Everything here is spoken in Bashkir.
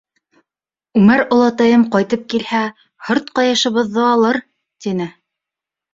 Үмәр олатайым ҡайтып килһә, һырт ҡайышыбыҙҙы алыр, — тине.